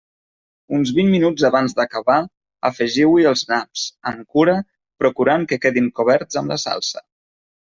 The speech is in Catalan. Uns vint minuts abans d'acabar, afegiu-hi els naps, amb cura, procurant que quedin coberts amb la salsa.